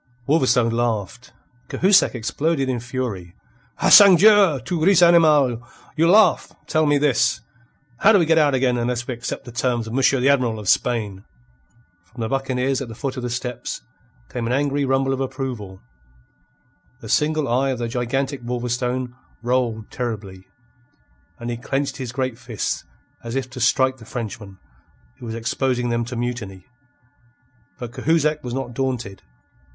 Wolverstone laughed. Cahusac exploded in fury. "Ah, sangdieu! Tu ris, animal? You laugh! Tell me this: How do we get out again unless we accept the terms of Monsieur the Admiral of Spain?" From the buccaneers at the foot of the steps came an angry rumble of approval. The single eye of the gigantic Wolverstone rolled terribly, and he clenched his great fists as if to strike the Frenchman, who was exposing them to mutiny. But Cahusac was not daunted.